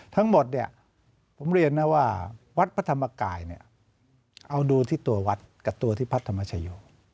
ทั้งหมดเนี่ยผมเรียนนะว่าวัดพระธรรมกายเนี่ยเอาดูที่ตัววัดกับตัวที่พระธรรมชโย